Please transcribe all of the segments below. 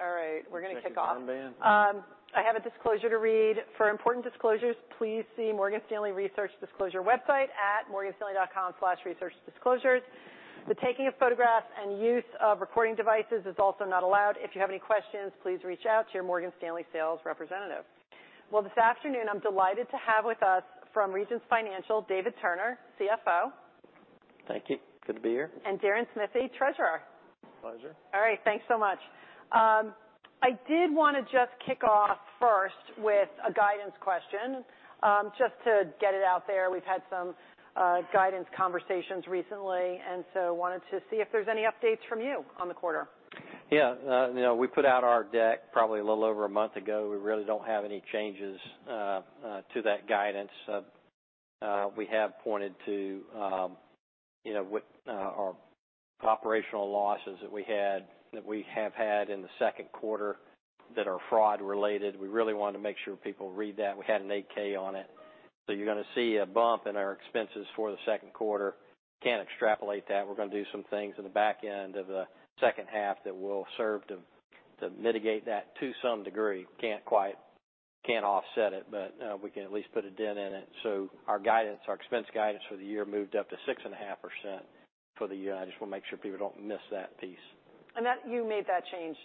All right, we're going to kick off. On, man! I have a disclosure to read. For important disclosures, please see Morgan Stanley Research Disclosure website at morganstanley.com/researchdisclosures. The taking of photographs and use of recording devices is also not allowed. If you have any questions, please reach out to your Morgan Stanley sales representative. This afternoon, I'm delighted to have with us from Regions Financial, David Turner, CFO. Thank you. Good to be here. Deron Smithy, Treasurer. Pleasure. All right, thanks so much. I did want to just kick off first with a guidance question, just to get it out there. We've had some guidance conversations recently, and so wanted to see if there's any updates from you on the quarter. you know, we put out our deck probably a little over a month ago. We really don't have any changes to that guidance. We have pointed to, you know, with our operational losses that we had, that we have had in the second quarter that are fraud related. We really want to make sure people read that. We had an Form 8-K on it. You're going to see a bump in our expenses for the second quarter. Can't extrapolate that. We're going to do some things in the back end of the second half that will serve to mitigate that to some degree. Can't quite, can't offset it, but we can at least put a dent in it. Our guidance, our expense guidance for the year moved up to 6.5% for the year. I just want to make sure people don't miss that piece. That, you made that change,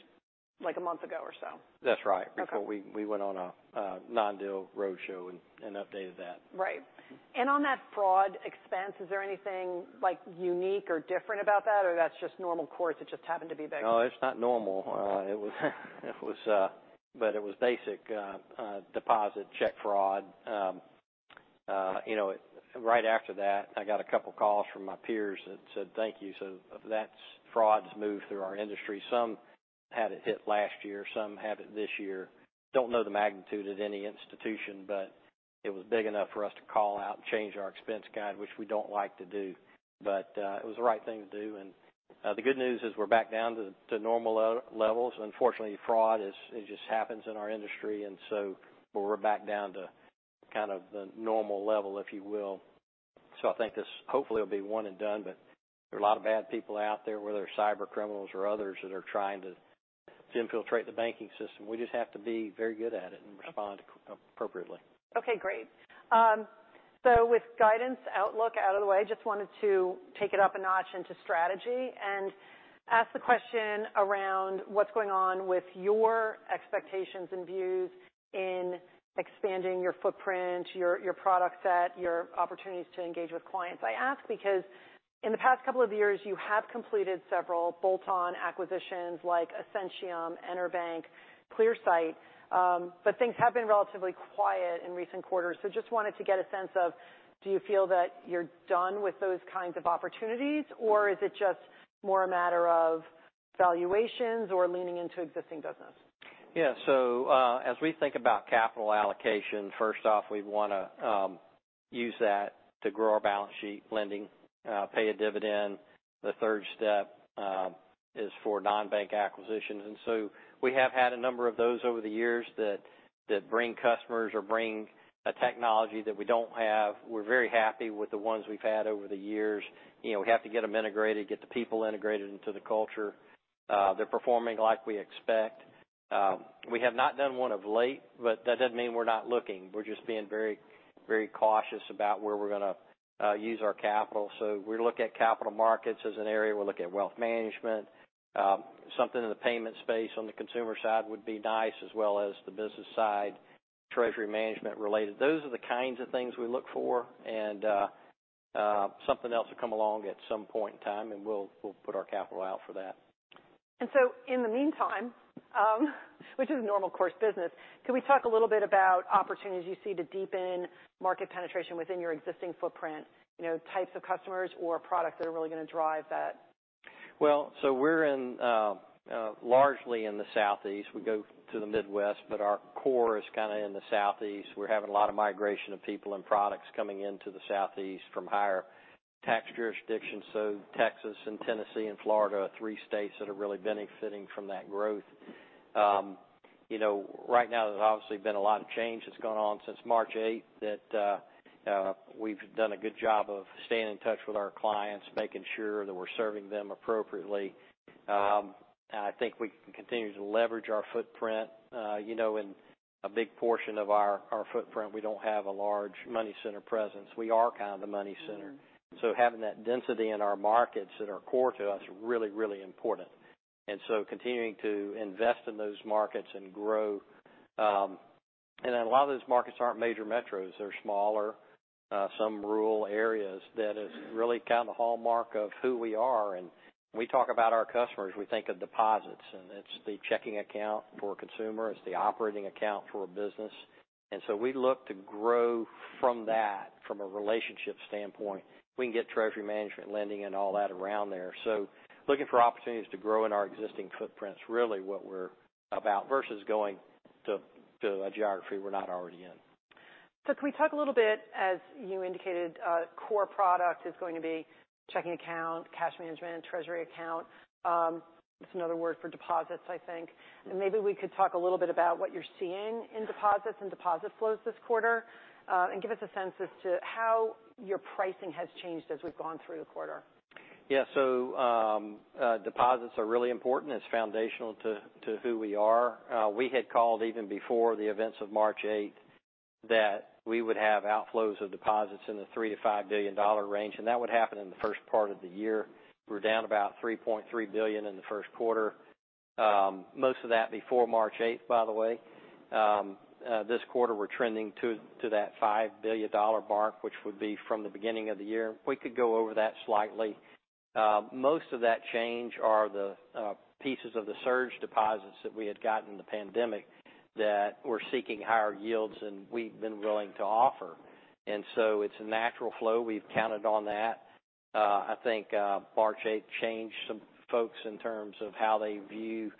like, a month ago or so? That's right. Okay. Before we went on a non-deal roadshow and updated that. Right. On that fraud expense, is there anything, like, unique or different about that, or that's just normal course, it just happened to be big? No, it's not normal. It was basic deposit check fraud. You know, right after that, I got a couple calls from my peers that said, "Thank you." That's, fraud's moved through our industry. Some had it hit last year, some had it this year. Don't know the magnitude at any institution, but it was big enough for us to call out and change our expense guide, which we don't like to do. It was the right thing to do. The good news is we're back down to normal levels. Unfortunately, fraud is, it just happens in our industry, but we're back down to kind of the normal level, if you will. I think this hopefully will be one and done, but there are a lot of bad people out there, whether they're cyber criminals or others, that are trying to infiltrate the banking system. We just have to be very good at it and respond appropriately. Okay, great. With guidance outlook out of the way, just wanted to take it up a notch into strategy and ask the question around what's going on with your expectations and views in expanding your footprint, your product set, your opportunities to engage with clients. I ask because in the past couple of years, you have completed several bolt-on acquisitions, like Ascentium, EnerBank, Clearsight, but things have been relatively quiet in recent quarters. Just wanted to get a sense of, do you feel that you're done with those kinds of opportunities, or is it just more a matter of valuations or leaning into existing business? As we think about capital allocation, first off, we'd want to use that to grow our balance sheet lending, pay a dividend. The third step is for non-bank acquisitions. We have had a number of those over the years that bring customers or bring a technology that we don't have. We're very happy with the ones we've had over the years. You know, we have to get them integrated, get the people integrated into the culture. They're performing like we expect. We have not done one of late, but that doesn't mean we're not looking. We're just being very, very cautious about where we're going to use our capital. We look at capital markets as an area. We look at wealth management. Something in the payment space on the consumer side would be nice, as well as the business side, treasury management related. Those are the kinds of things we look for, and something else will come along at some point in time, and we'll put our capital out for that. In the meantime, which is normal course business, can we talk a little bit about opportunities you see to deepen market penetration within your existing footprint? You know, types of customers or products that are really going to drive that? We're in largely in the Southeast. We go to the Midwest, but our core is kind of in the Southeast. We're having a lot of migration of people and products coming into the Southeast from higher tax jurisdictions. Texas and Tennessee and Florida are three states that are really benefiting from that growth. You know, right now, there's obviously been a lot of change that's gone on since March 8th, that we've done a good job of staying in touch with our clients, making sure that we're serving them appropriately. I think we can continue to leverage our footprint. You know, in a big portion of our footprint, we don't have a large money center presence. We are kind of a money center. Having that density in our markets that are core to us is really, really important. Continuing to invest in those markets and grow. A lot of those markets aren't major metros. They're smaller, some rural areas. That is really kind of the hallmark of who we are. When we talk about our customers, we think of deposits, and it's the checking account for a consumer, it's the operating account for a business. We look to grow from that, from a relationship standpoint. We can get treasury management, lending and all that around there. Looking for opportunities to grow in our existing footprint is really what we're about, versus going to a geography we're not already in. Can we talk a little bit, as you indicated, core product is going to be checking account, cash management, treasury account. That's another word for deposits, I think. Maybe we could talk a little bit about what you're seeing in deposits and deposit flows this quarter, and give us a sense as to how your pricing has changed as we've gone through the quarter. Deposits are really important. It's foundational to who we are. We had called even before the events of March 8th, that we would have outflows of deposits in the $3 billion-$5 billion range, and that would happen in the first part of the year. We're down about $3.3 billion in the first quarter, most of that before March 8th, by the way. This quarter, we're trending to that $5 billion mark, which would be from the beginning of the year. We could go over that slightly. Most of that change are the pieces of the surge deposits that we had got in the pandemic that were seeking higher yields than we've been willing to offer. It's a natural flow. We've counted on that. I think March eighth changed some folks in terms of how they view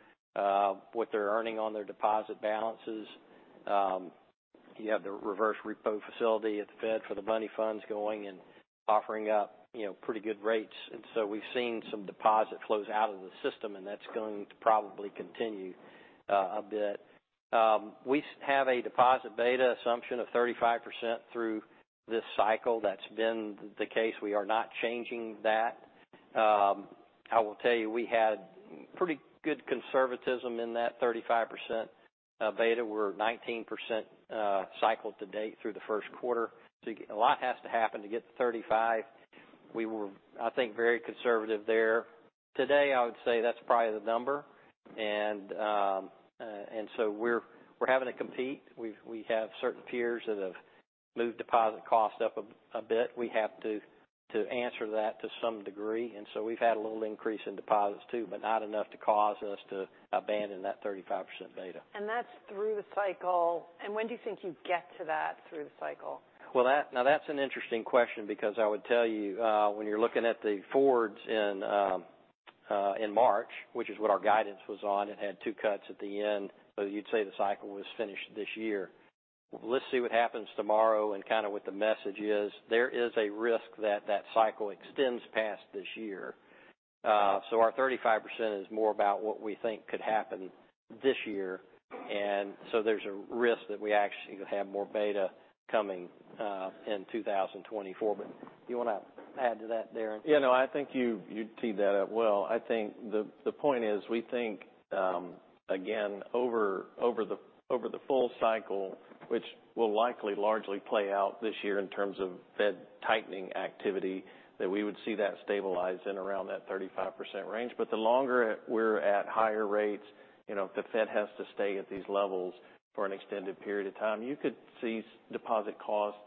what they're earning on their deposit balances. You have the reverse repo facility at the Fed for the money funds going and offering up, you know, pretty good rates. We've seen some deposit flows out of the system, and that's going to probably continue a bit. We have a deposit beta assumption of 35% through this cycle. That's been the case. We are not changing that. I will tell you, we had pretty good conservatism in that 35% beta. We're 19% cycle to date through the first quarter. A lot has to happen to get to 35. We were, I think, very conservative there. Today, I would say that's probably the number. We're having to compete. We have certain peers that have moved deposit costs up a bit. We have to answer that to some degree. We've had a little increase in deposits, too. Not enough to cause us to abandon that 35% beta. That's through the cycle. When do you think you'd get to that through the cycle? Well, now, that's an interesting question because I would tell you, when you're looking at the forwards in March, which is what our guidance was on, it had 2 cuts at the end, so you'd say the cycle was finished this year. Let's see what happens tomorrow and kind of what the message is. There is a risk that that cycle extends past this year. Our 35% is more about what we think could happen this year, and so there's a risk that we actually could have more beta coming in 2024. You want to add to that, Deron? Yeah, no, I think you teed that up well. I think the point is, we think, again, over the, over the full cycle, which will likely largely play out this year in terms of Fed tightening activity, that we would see that stabilize in around that 35% range. But the longer we're at higher rates, you know, if the Fed has to stay at these levels for an extended period of time, you could see deposit costs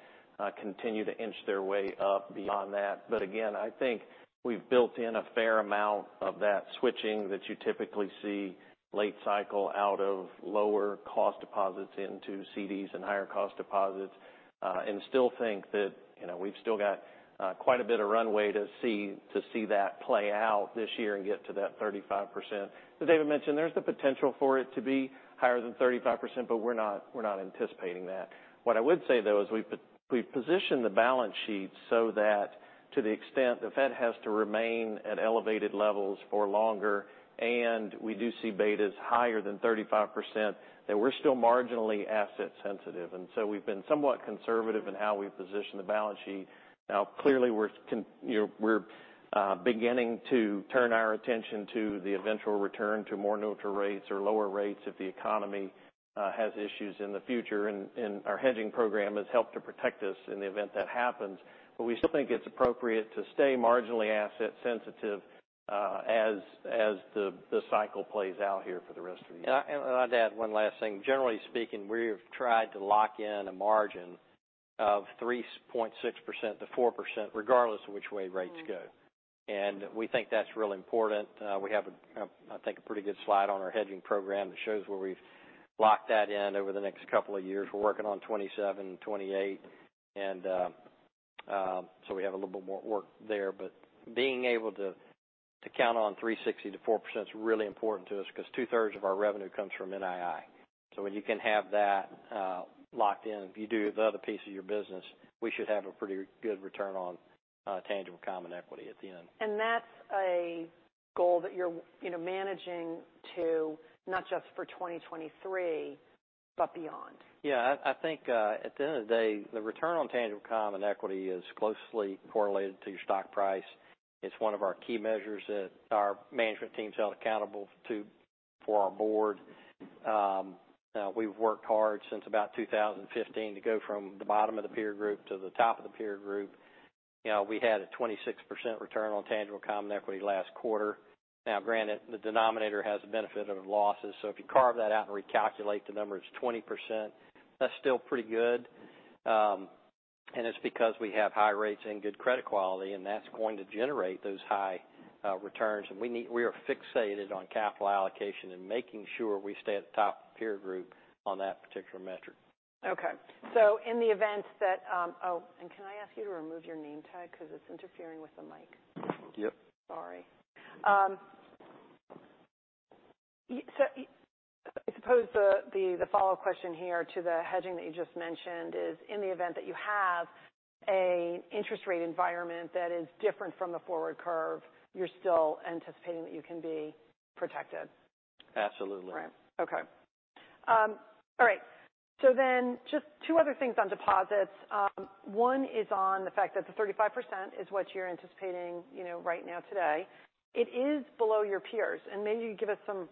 continue to inch their way up beyond that. I think we've built in a fair amount of that switching that you typically see late cycle out of lower cost deposits into CDs and higher cost deposits, still think that, you know, we've still got quite a bit of runway to see that play out this year and get to that 35%. As David mentioned, there's the potential for it to be higher than 35%, we're not anticipating that. What I would say, though, is we've positioned the balance sheet so that to the extent the Fed has to remain at elevated levels for longer, we do see betas higher than 35%, that we're still marginally asset sensitive. We've been somewhat conservative in how we position the balance sheet. Now, clearly, we're you know, we're beginning to turn our attention to the eventual return to more neutral rates or lower rates if the economy has issues in the future, and our hedging program has helped to protect us in the event that happens. We still think it's appropriate to stay marginally asset sensitive, as the cycle plays out here for the rest of the year. I'd add one last thing. Generally speaking, we've tried to lock in a margin of 3.6%-4%, regardless of which way rates go. We think that's real important. We have, I think, a pretty good slide on our hedging program that shows where we've locked that in over the next couple of years. We're working on 2027 and 2028, and, so we have a little bit more work there. Being able to count on 3.6%-4% is really important to us because two-thirds of our revenue comes from NII. When you can have that locked in, if you do the other piece of your business, we should have a pretty good return on tangible common equity at the end. That's a goal that you're, you know, managing to not just for 2023, but beyond? I think, at the end of the day, the return on tangible common equity is closely correlated to your stock price. It's one of our key measures that our management team is held accountable to for our board. We've worked hard since about 2015 to go from the bottom of the peer group to the top of the peer group. You know, we had a 26% return on tangible common equity last quarter. Granted, the denominator has the benefit of losses, so if you carve that out and recalculate, the number is 20%. That's still pretty good, it's because we have high rates and good credit quality, and that's going to generate those high returns. We are fixated on capital allocation and making sure we stay at the top peer group on that particular metric. Okay. In the event that, can I ask you to remove your name tag because it's interfering with the mic? Yep. Sorry. I suppose the, the follow-up question here to the hedging that you just mentioned is, in the event that you have a interest rate environment that is different from the forward curve, you're still anticipating that you can be protected? Absolutely. Right. Okay. All right. Just two other things on deposits. One is on the fact that the 35% is what you're anticipating, you know, right now today. It is below your peers, and maybe you can give us some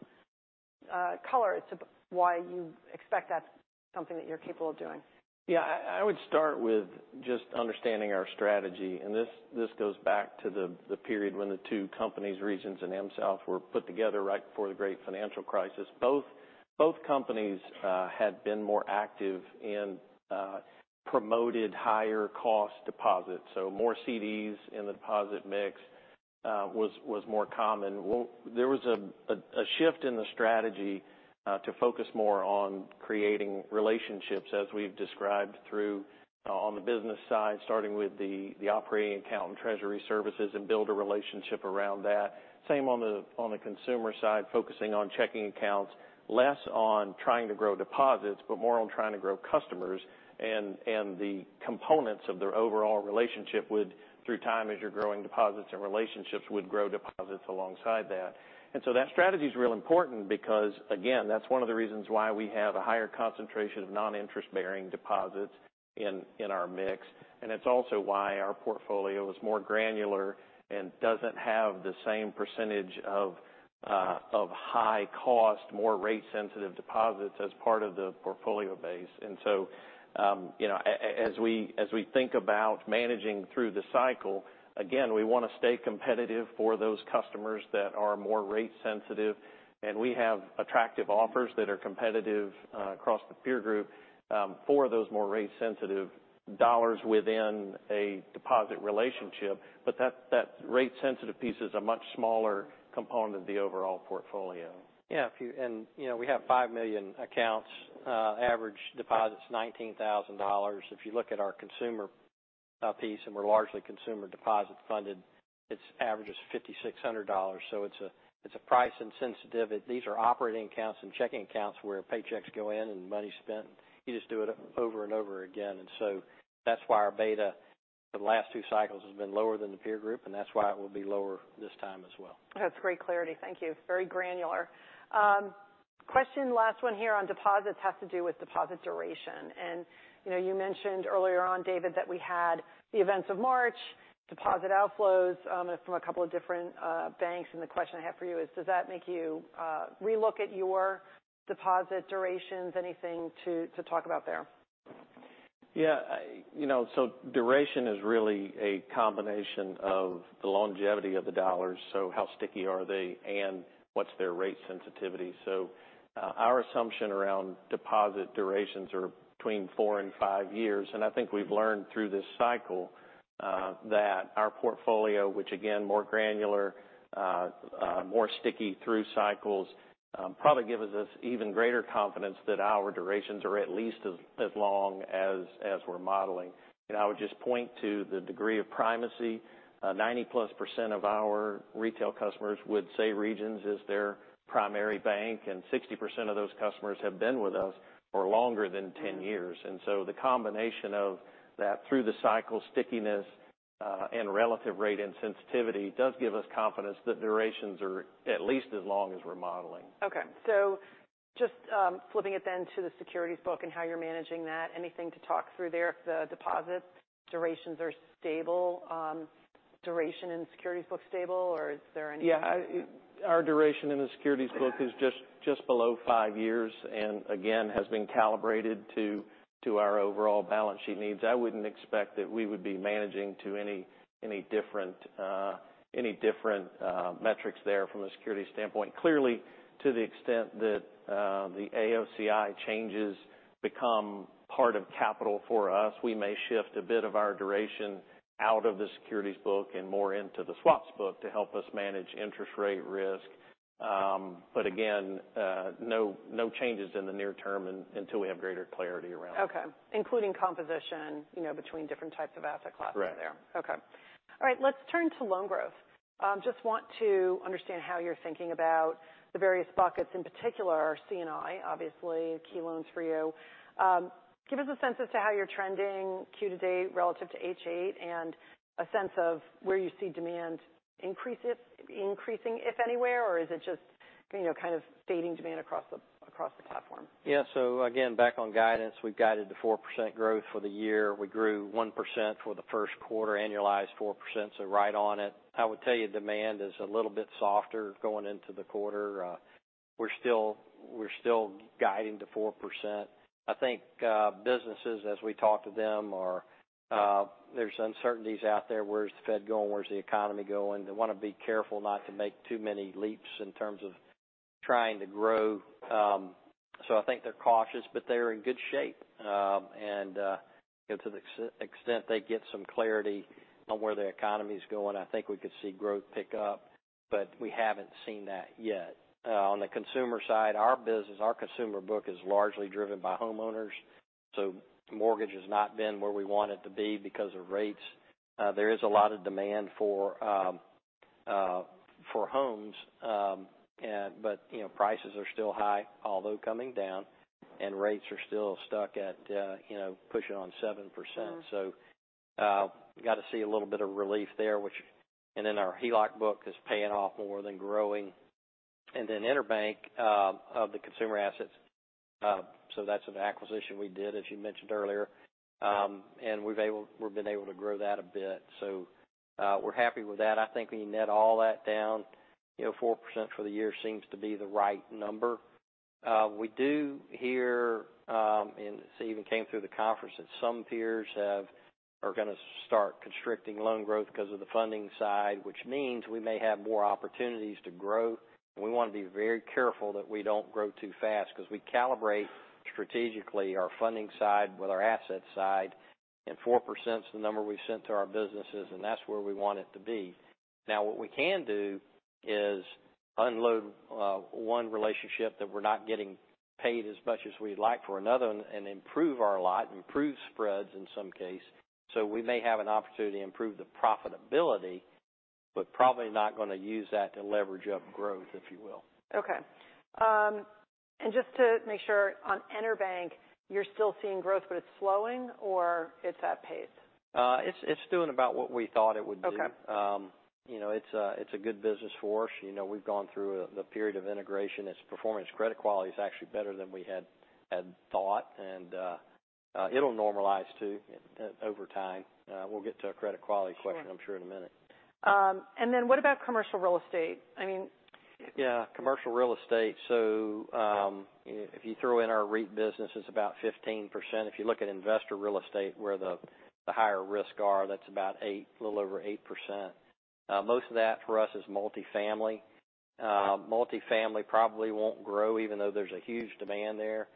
color as to why you expect that's something that you're capable of doing. Yeah, I would start with just understanding our strategy, and this goes back to the period when the two companies, Regions and AmSouth Bancorporation, were put together right before the great financial crisis. Both companies had been more active in promoted higher cost deposits. More CDs in the deposit mix was more common. There was a shift in the strategy to focus more on creating relationships, as we've described through on the business side, starting with the operating account and treasury services, and build a relationship around that. Same on the consumer side, focusing on checking accounts, less on trying to grow deposits, but more on trying to grow customers. The components of their overall relationship would, through time, as you're growing deposits and relationships, would grow deposits alongside that. That strategy is real important because, again, that's one of the reasons why we have a higher concentration of non-interest-bearing deposits in our mix, and it's also why our portfolio is more granular and doesn't have the same percentage of high cost, more rate-sensitive deposits as part of the portfolio base. You know, as we think about managing through the cycle, again, we want to stay competitive for those customers that are more rate sensitive, and we have attractive offers that are competitive across the peer group for those more rate-sensitive dollars within a deposit relationship. That rate-sensitive piece is a much smaller component of the overall portfolio. Yeah, if you know, we have 5 million accounts, average deposit's $19,000. If you look at our consumer piece, we're largely consumer deposit funded, its average is $5,600. It's a price insensitive. These are operating accounts and checking accounts where paychecks go in and money's spent. You just do it over and over again, so that's why our beta for the last two cycles has been lower than the peer group, that's why it will be lower this time as well. That's great clarity. Thank you. Very granular. Question, last one here on deposits, has to do with deposit duration. You know, you mentioned earlier on, David, that we had the events of March, deposit outflows, from a couple of different banks. The question I have for you is, does that make you relook at your deposit durations? Anything to talk about there? You know, duration is really a combination of the longevity of the dollars, so how sticky are they, and what's their rate sensitivity? Our assumption around deposit durations are between four and five years, I think we've learned through this cycle that our portfolio, which again, more granular, more sticky through cycles, probably gives us even greater confidence that our durations are at least as long as we're modeling. I would just point to the degree of primacy. 90-plus% of our retail customers would say Regions is their primary bank, 60% of those customers have been with us for longer than 10 years. The combination of that, through the cycle stickiness, and relative rate insensitivity, does give us confidence that durations are at least as long as we're modeling. Just, flipping it then to the securities book and how you're managing that, anything to talk through there, if the deposits durations are stable, duration in the securities book stable, or is there? Our duration in the securities book is just below five years. Again, has been calibrated to our overall balance sheet needs. I wouldn't expect that we would be managing to any different metrics there from a security standpoint. Clearly, to the extent that the AOCI changes become part of capital for us, we may shift a bit of our duration out of the securities book and more into the swaps book to help us manage interest rate risk. Again, no changes in the near term until we have greater clarity around it. Okay. Including composition, you know, between different types of asset classes there. Right. Okay. All right, let's turn to loan growth. Just want to understand how you're thinking about the various buckets, in particular, C&I, obviously, key loans for you. Give us a sense as to how you're trending Q to date relative to H.8 and a sense of where you see demand increasing, if anywhere, or is it just, you know, kind of fading demand across the, across the platform? Yeah. Again, back on guidance, we've guided to 4% growth for the year. We grew 1% for the first quarter, annualized 4%, so right on it. I would tell you demand is a little bit softer going into the quarter. We're still guiding to 4%. I think businesses, as we talk to them, are, there's uncertainties out there. Where's the Fed going? Where's the economy going? They want to be careful not to make too many leaps in terms of trying to grow. I think they're cautious, but they're in good shape. You know, to the extent they get some clarity on where the economy is going, I think we could see growth pick up, but we haven't seen that yet. On the consumer side, our business, our consumer book is largely driven by homeowners, so mortgage has not been where we want it to be because of rates. There is a lot of demand for homes, and but, you know, prices are still high, although coming down, and rates are still stuck at, you know, pushing on 7%. We got to see a little bit of relief there, which and then our HELOC book is paying off more than growing. EnerBank, of the consumer assets, so that's an acquisition we did, as you mentioned earlier. We've been able to grow that a bit, so, we're happy with that. I think when you net all that down, you know, 4% for the year seems to be the right number. We do hear, and this even came through the conference, that some peers are gonna start constricting loan growth because of the funding side, which means we may have more opportunities to grow. We wanna be very careful that we don't grow too fast, because we calibrate strategically our funding side with our asset side, and 4% is the number we've sent to our businesses, and that's where we want it to be. What we can do is unload one relationship that we're not getting paid as much as we'd like for another one, and improve our lot, improve spreads in some case. We may have an opportunity to improve the profitability, probably not gonna use that to leverage up growth, if you will. Okay. just to make sure, on EnerBank, you're still seeing growth, but it's slowing, or it's at pace? It's doing about what we thought it would do. Okay. You know, it's a good business for us. You know, we've gone through the period of integration. Its performance, credit quality is actually better than we had thought, and it'll normalize, too, over time. We'll get to a credit quality. Sure. I'm sure, in a minute. What about commercial real estate? Yeah, commercial real estate. If you throw in our REIT business, it's about 15%. If you look at investor real estate, where the higher risks are, that's about 8%, a little over 8%. Most of that for us is multifamily. Multifamily probably won't grow, even though there's a huge demand there.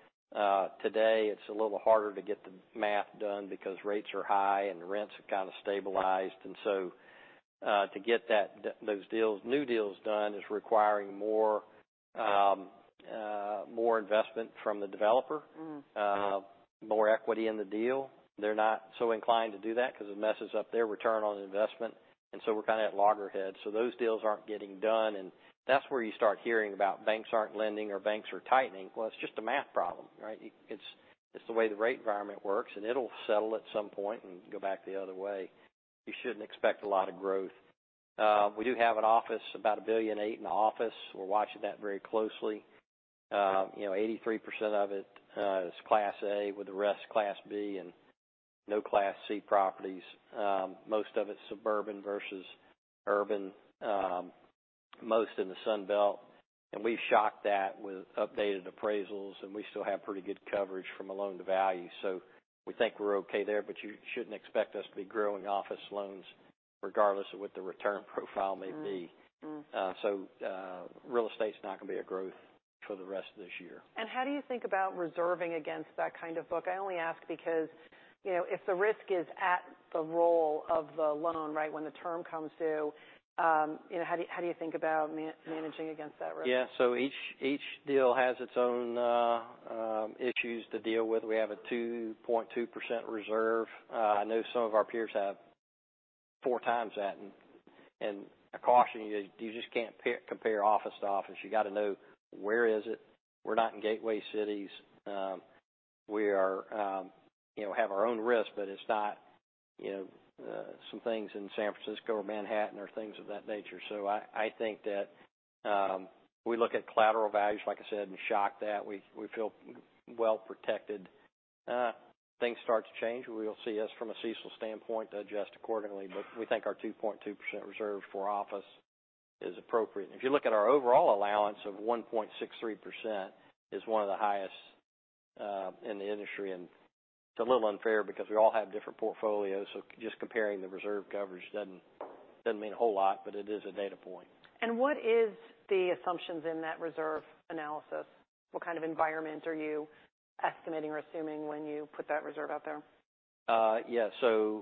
Today, it's a little harder to get the math done because rates are high and rents have kind of stabilized. To get that, those deals, new deals done, is requiring more investment from the developer- More equity in the deal. They're not so inclined to do that because it messes up their return on investment, we're kind of at loggerheads. Those deals aren't getting done, and that's where you start hearing about banks aren't lending or banks are tightening. Well, it's just a math problem, right? It's the way the rate environment works, and it'll settle at some point and go back the other way. You shouldn't expect a lot of growth. We do have an office, about $1.8 billion in the office. We're watching that very closely. You know, 83% of it is Class A, with the rest Class B and no Class C properties. Most of it's suburban versus urban, most in the Sun Belt. We've shocked that with updated appraisals, and we still have pretty good coverage from a loan-to-value. We think we're okay there, but you shouldn't expect us to be growing office loans regardless of what the return profile may be. Real estate's not gonna be a growth for the rest of this year. How do you think about reserving against that kind of book? I only ask because, you know, if the risk is at the role of the loan, right, when the term comes due, you know, how do you think about managing against that risk? Each deal has its own issues to deal with. We have a 2.2% reserve. I know some of our peers have 4x that. I caution you just can't compare office to office. You got to know where is it. We're not in gateway cities. We are, you know, have our own risk, but it's not, you know, some things in San Francisco or Manhattan or things of that nature. I think that we look at collateral values, like I said, and shock that. We feel well protected. Things start to change, we will see us from a CECL standpoint adjust accordingly, but we think our 2.2% reserve for office is appropriate. If you look at our overall allowance of 1.63%, is one of the highest in the industry, and it's a little unfair because we all have different portfolios, so just comparing the reserve coverage doesn't mean a whole lot, but it is a data point. What is the assumptions in that reserve analysis? What kind of environment are you estimating or assuming when you put that reserve out there? Yeah,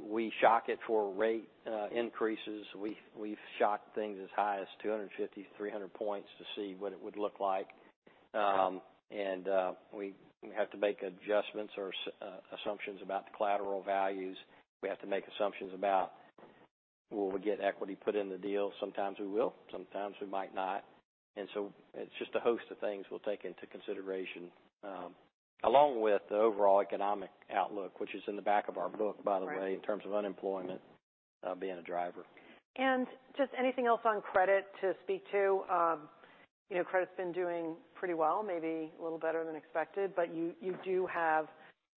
we shock it for rate increases. We've shocked things as high as 250 to 300 points to see what it would look like. We have to make adjustments or assumptions about the collateral values. We have to make assumptions about will we get equity put in the deal? Sometimes we will, sometimes we might not. It's just a host of things we'll take into consideration, along with the overall economic outlook, which is in the back of our book, by the way. Right... in terms of unemployment, being a driver. just anything else on credit to speak to? you know, credit's been doing pretty well, maybe a little better than expected, but you do have,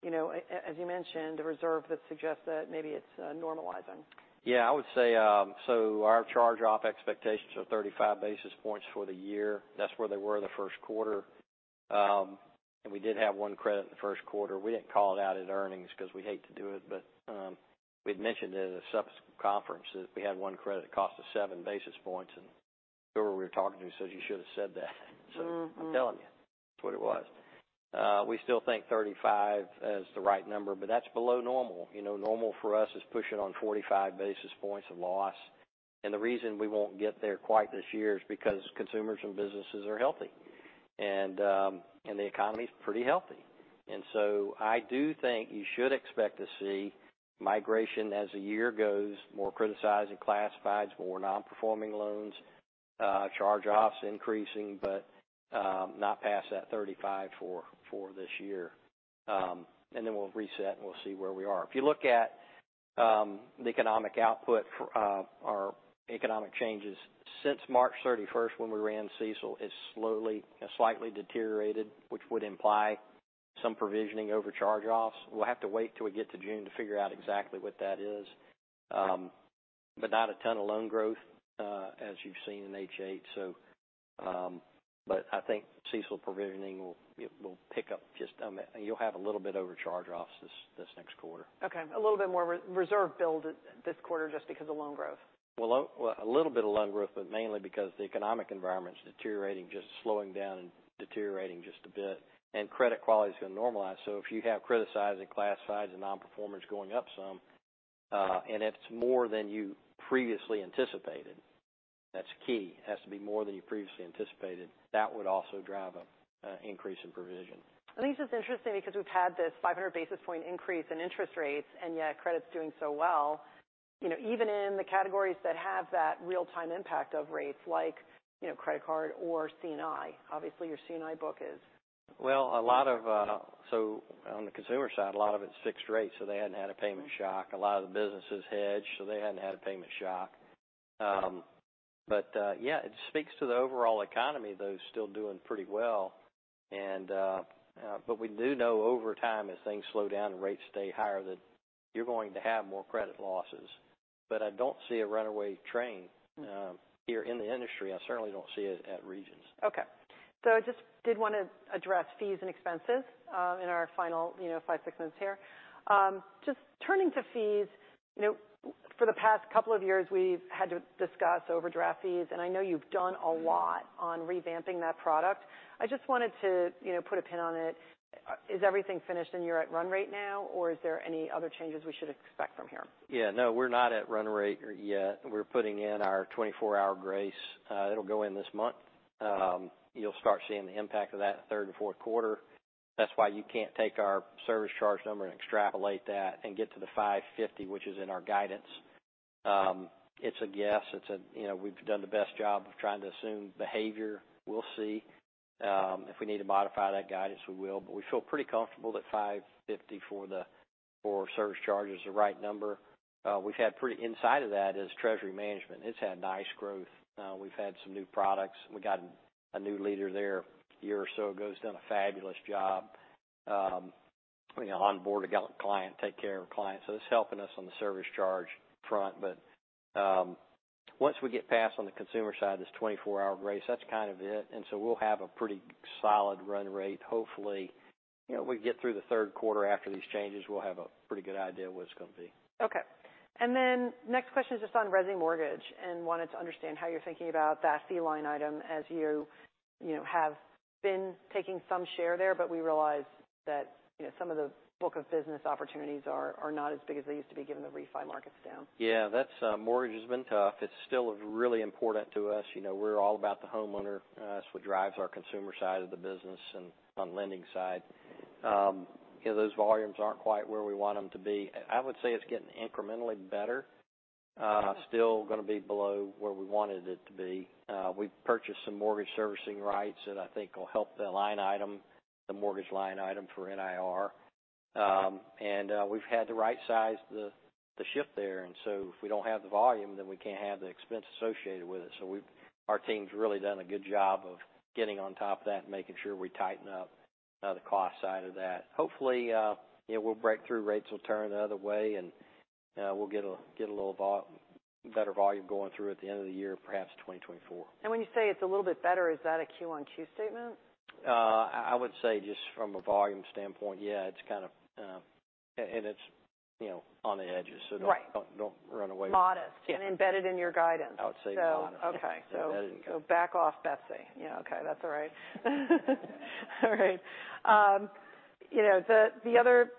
you know, as you mentioned, a reserve that suggests that maybe it's normalizing. Yeah, I would say, our charge-off expectations are 35 basis points for the year. That's where they were in the first quarter. We did have one credit in the first quarter. We didn't call it out at earnings because we hate to do it, but we'd mentioned it at a subsequent conference, that we had one credit that cost us 7 basis points, and whoever we were talking to said, "You should have said that. I'm telling you, that's what it was. We still think 35 as the right number, but that's below normal. You know, normal for us is pushing on 45 basis points of loss. The reason we won't get there quite this year is because consumers and businesses are healthy, and the economy's pretty healthy. I do think you should expect to see migration as the year goes, more criticized and classifieds, more non-performing loans. Charge-offs increasing, but not past that 35 for this year. Then we'll reset, and we'll see where we are. If you look at the economic output for our economic changes since March 31st when we ran CECL, it's slowly, slightly deteriorated, which would imply some provisioning over charge-offs. We'll have to wait till we get to June to figure out exactly what that is. Not a ton of loan growth, as you've seen in H.8, I think CECL provisioning will pick up. You'll have a little bit over charge-offs this next quarter. Okay. A little bit more reserve build this quarter just because of loan growth? Well, a little bit of loan growth, mainly because the economic environment is deteriorating, just slowing down and deteriorating just a bit, and credit quality is going to normalize. If you have criticized and class size and non-performance going up some, and it's more than you previously anticipated, that's key. It has to be more than you previously anticipated. That would also drive an increase in provision. I think it's just interesting because we've had this 500 basis point increase in interest rates. Yet credit is doing so well, you know, even in the categories that have that real-time impact of rates, like, you know, credit card or C&I. Obviously, your C&I book is. Well, a lot of, so on the consumer side, a lot of it's fixed rate, so they hadn't had a payment shock. A lot of the businesses hedge, so they hadn't had a payment shock. Yeah, it speaks to the overall economy, though, still doing pretty well. We do know over time, as things slow down and rates stay higher, that you're going to have more credit losses. I don't see a runaway train, here in the industry. I certainly don't see it at Regions. I just did want to address fees and expenses in our final, you know, five, six minutes here. Just turning to fees, you know, for the past couple of years, we've had to discuss overdraft fees, and I know you've done a lot on revamping that product. I just wanted to, you know, put a pin on it. Is everything finished and you're at run rate now, or is there any other changes we should expect from here? We're not at run rate yet. We're putting in our 24-Hour Grace. It'll go in this month. You'll start seeing the impact of that third and fourth quarter. That's why you can't take our service charge number and extrapolate that and get to the $550, which is in our guidance. It's a guess. You know, we've done the best job of trying to assume behavior. We'll see. If we need to modify that guidance, we will, we feel pretty comfortable that $550 for service charge is the right number. Inside of that is treasury management. It's had nice growth. We've had some new products. We got a new leader there, a year or so ago, has done a fabulous job, you know, onboard a gal and client, take care of clients. It's helping us on the service charge front. Once we get past on the consumer side, this 24-Hour Grace, that's kind of it. We'll have a pretty solid run rate. Hopefully, you know, we get through the third quarter after these changes, we'll have a pretty good idea of what it's going to be. Okay. Next question is just on resi mortgage, and wanted to understand how you're thinking about that fee line item as you know, have been taking some share there, but we realize that, you know, some of the book of business opportunities are not as big as they used to be, given the refi market's down. That's mortgage has been tough. It's still really important to us. You know, we're all about the homeowner. It's what drives our consumer side of the business and on lending side. Those volumes aren't quite where we want them to be. I would say it's getting incrementally better. Still going to be below where we wanted it to be. We purchased some mortgage servicing rights that I think will help the line item, the mortgage line item for NIR. We've had to rightsize the ship there, if we don't have the volume, then we can't have the expense associated with it. Our team's really done a good job of getting on top of that and making sure we tighten up the cost side of that. Hopefully, you know, we'll break through, rates will turn the other way, and, we'll get a little better volume going through at the end of the year, perhaps 2024. When you say it's a little bit better, is that a QoQ statement? I would say just from a volume standpoint, yeah, it's kind of, and it's, you know, on the edges. Right. Don't run away. Modest- Yeah. embedded in your guidance. I would say modest. Okay. Embedded. Back off, Betsy. Yeah, okay, that's all right. All right. You know, the other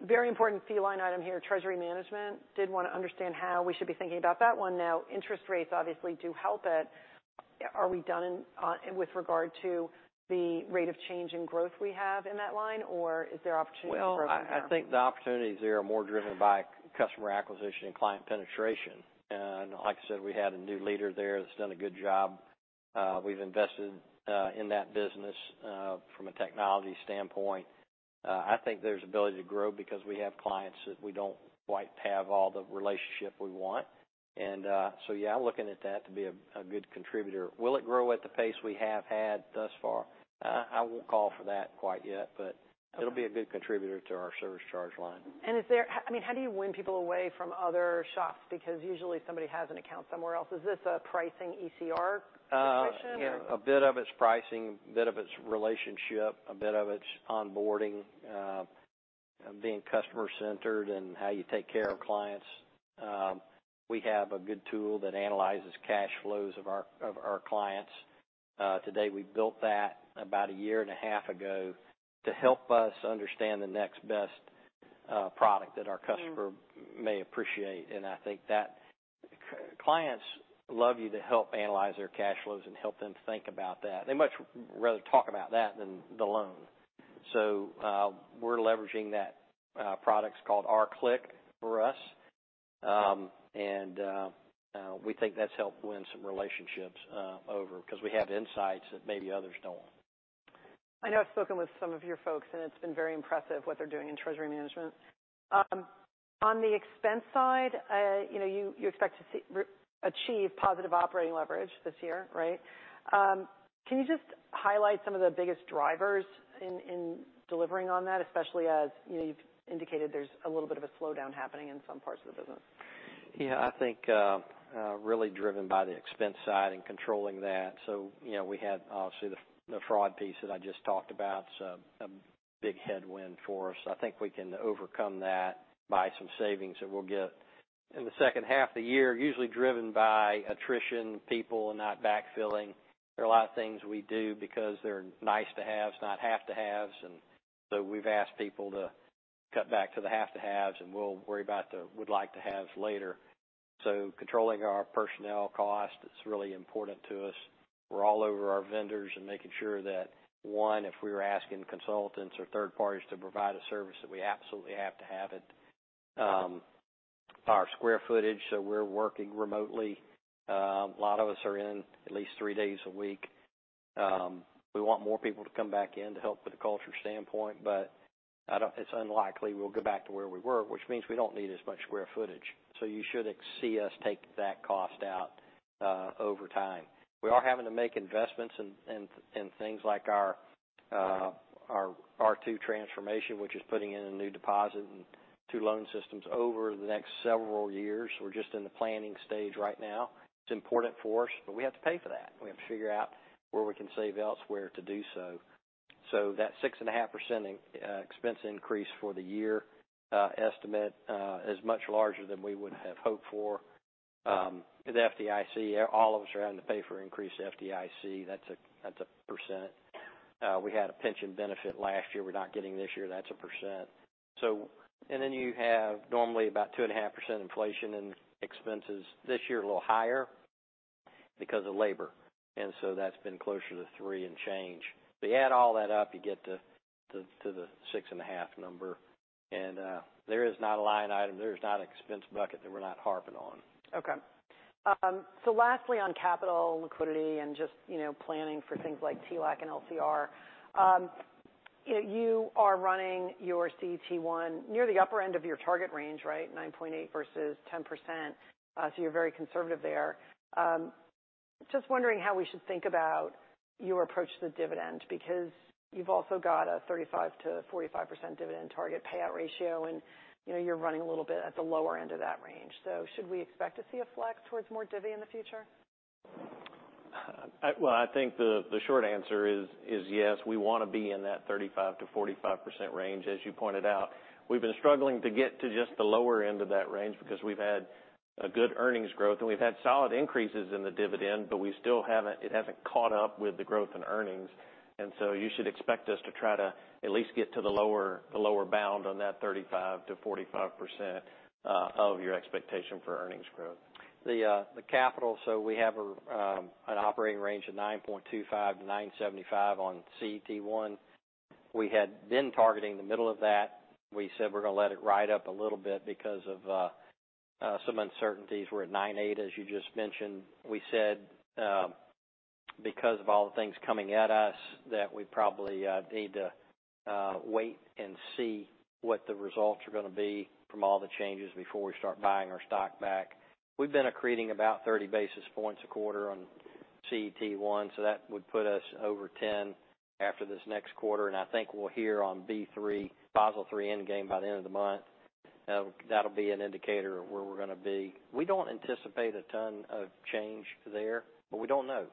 very important fee line item here, treasury management, did want to understand how we should be thinking about that one. Interest rates obviously do help it. Are we done in, with regard to the rate of change in growth we have in that line, or is there opportunity for growth there? Well, I think the opportunities there are more driven by customer acquisition and client penetration. Like I said, we had a new leader there that's done a good job. We've invested in that business from a technology standpoint. I think there's ability to grow because we have clients that we don't quite have all the relationship we want. Yeah, I'm looking at that to be a good contributor. Will it grow at the pace we have had thus far? I won't call for that quite yet, but- Okay. It'll be a good contributor to our service charge line. I mean, how do you win people away from other shops? Usually somebody has an account somewhere else. Is this a pricing ECR situation or? A bit of it's pricing, a bit of it's relationship, a bit of it's onboarding, being customer-centered and how you take care of clients. We have a good tool that analyzes cash flows of our clients. Today, we built that about a year and a half ago to help us understand the next best product that our customer- Mm may appreciate. I think that clients love you to help analyze their cash flows and help them think about that. They much rather talk about that than the loan. We're leveraging that, product's called RClick for us. We think that's helped win some relationships over, 'cause we have insights that maybe others don't. I know I've spoken with some of your folks, and it's been very impressive what they're doing in treasury management. On the expense side, you know, you expect to achieve positive operating leverage this year, right? Can you just highlight some of the biggest drivers in delivering on that, especially as, you know, you've indicated there's a little bit of a slowdown happening in some parts of the business? Yeah, I think, really driven by the expense side and controlling that. You know, we had obviously the fraud piece that I just talked about, a big headwind for us. I think we can overcome that by some savings that we'll get in the second half of the year, usually driven by attrition, people, and not backfilling. There are a lot of things we do because they're nice-to-haves, not have-to-haves, we've asked people to cut back to the have-to-haves, and we'll worry about the would-like-to-haves later. Controlling our personnel cost, it's really important to us. We're all over our vendors and making sure that, one, if we were asking consultants or third parties to provide a service, that we absolutely have to have it. Our square footage, we're working remotely. A lot of us are in at least three days a week. We want more people to come back in to help with the culture standpoint, but it's unlikely we'll go back to where we were, which means we don't need as much square footage. You should see us take that cost out over time. We are having to make investments in things like our R2 transformation, which is putting in a new deposit and two loan systems over the next several years. We're just in the planning stage right now. It's important for us. We have to pay for that. We have to figure out where we can save elsewhere to do so. That 6.5% in expense increase for the year, estimate, is much larger than we would have hoped for. The FDIC, all of us are having to pay for increased FDIC. That's a percent. We had a pension benefit last year we're not getting this year. That's a percent. Then you have normally about 2.5% inflation in expenses. This year, a little higher because of labor, and so that's been closer to three and change. You add all that up, you get to the 6.5 number, and there is not a line item, there is not an expense bucket that we're not harping on. Okay. so lastly, on capital liquidity and just, you know, planning for things like TLAC and LCR. you know, you are running your CET1 near the upper end of your target range, right? 9.8% versus 10%, so you're very conservative there. Just wondering how we should think about your approach to the dividend, because you've also got a 35%-45% dividend target payout ratio, and, you know, you're running a little bit at the lower end of that range. Should we expect to see a flex towards more divvy in the future? Well, I think the short answer is yes, we wanna be in that 35%-45% range, as you pointed out. We've been struggling to get to just the lower end of that range because we've had a good earnings growth, and we've had solid increases in the dividend, but it hasn't caught up with the growth in earnings. You should expect us to try to at least get to the lower, the lower bound on that 35%-45% of your expectation for earnings growth. The capital, so we have an operating range of 9.25-9.75 on CET1. We had been targeting the middle of that. We said we're gonna let it ride up a little bit because of some uncertainties. We're at 9.8, as you just mentioned. We said, because of all the things coming at us, that we probably need to wait and see what the results are gonna be from all the changes before we start buying our stock back. We've been accreting about 30 basis points a quarter on CET1, so that would put us over 10 after this next quarter, and I think we'll hear on B3, Basel III Endgame by the end of the month. That'll be an indicator of where we're gonna be. We don't anticipate a ton of change there, but we don't know.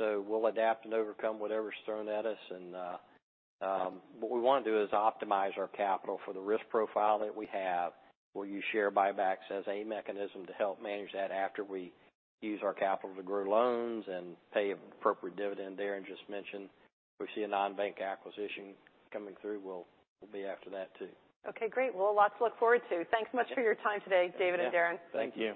We'll adapt and overcome whatever's thrown at us. What we wanna do is optimize our capital for the risk profile that we have, where you share buybacks as a mechanism to help manage that after we use our capital to grow loans and pay appropriate dividend there. Just mention, if we see a non-bank acquisition coming through, we'll be after that, too. Okay, great. Well, lots to look forward to. Thanks so much for your time today, David and Deron. Yeah. Thank you.